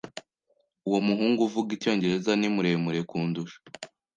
Uwo muhungu uvuga icyongereza ni muremure kundusha.